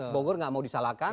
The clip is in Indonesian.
bogor tidak mau disalahkan